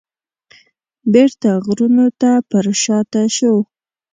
بیرته غرونو ته پرشاته شو.